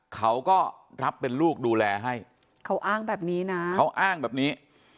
เขาก็รับเป็นลูกดูแลให้เขาอ้างแบบนี้นะเขาอ้างแบบนี้